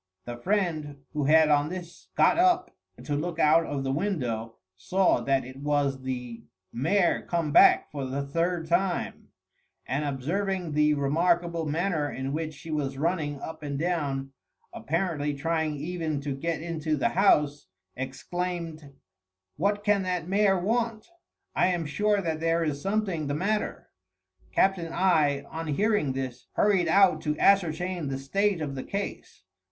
The friend, who had on this got up to look out of the window, saw that it was the mare come back for the third time; and observing the remarkable manner in which she was running up and down, apparently trying even to get into the house, exclaimed, "What can that mare want? I am sure that there is something the matter." Captain I on hearing this hurried out to ascertain the state of the case.